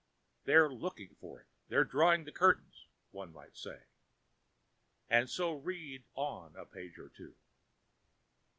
"They're looking for it; they're drawing the curtain," one might say, and so read on a page or two.